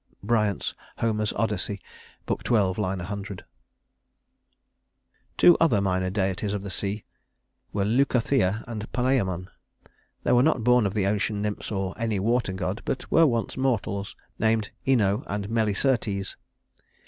BRYANT'S Homer's Odyssey, Book XII, line 100. IV Two other minor deities of the sea were Leucothea and Palæmon. They were not born of the ocean nymphs or any water god, but were once mortals, named Ino and Melicertes.